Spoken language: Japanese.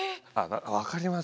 分かります。